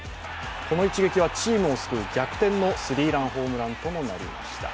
この一撃はチームを救う逆転のスリーランホームランともなりました。